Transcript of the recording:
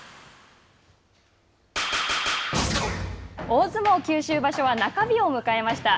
大相撲九州場所は中日を迎えました。